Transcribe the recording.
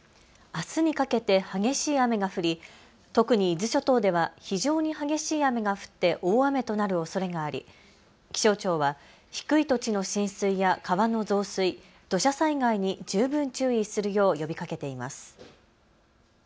あすにかけて激しい雨が降り特に伊豆諸島では非常に激しい雨が降って大雨となるおそれがあり気象庁は低い土地の浸水や川の増水、土砂災害に十分注意するよう呼びかけています。